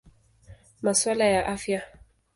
Masuala ya Afya.